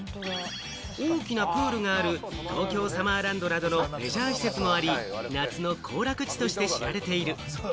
大きなプールがある東京サマーランドなどのレジャー施設もあり、夏の行楽地として知られている。